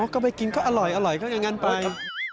ก็ไปกินก็อร่อยก็อย่างนั้นไป